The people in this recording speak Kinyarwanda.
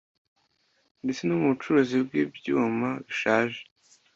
ndetse no mu bucuruzi bw’ibyuma bishaje